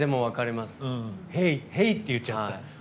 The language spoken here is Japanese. ヘイ！って言っちゃった。